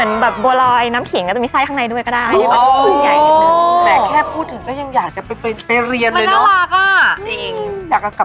นี่มีวิธีทำในเพจลองไปดูได้นะครับ